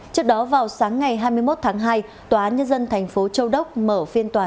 trước đó vào sáng ngày hai mươi một tháng hai tòa nhân dân tp châu đốc mở phiên tòa